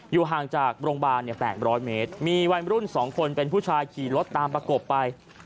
ห่างจากโรงพยาบาล๘๐๐เมตรมีวัยรุ่น๒คนเป็นผู้ชายขี่รถตามประกบไป